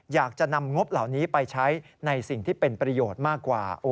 อยากจะนำงบเหล่านี้ไปใช้ในสิ่งที่เป็นประโยชน์มากกว่า